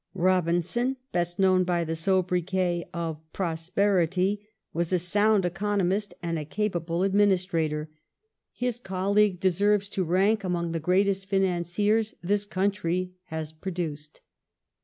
Robinson, best known by the sobriquet of " Prosperity," was a sound economist 70 THE LAST YEARS OF TORY RULE [1822 and a capable administrator. His colleague deserves to rank among the greatest financiei s this country has produced.